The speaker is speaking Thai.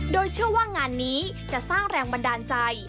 โดยเชื่อว่างานนี้จะสร้างแรงบันดาลใจ